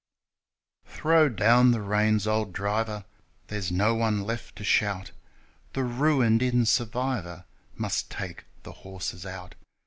43 Throw down the reins, old driver there's no one left to shout ; The ruined inn's survivor must take the horses out.